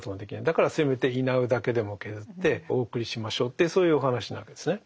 だからせめてイナウだけでも削ってお送りしましょうってそういうお話なわけですね。